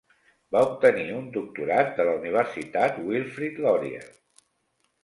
Va obtenir un doctorat de la Universitat Wilfrid Laurier.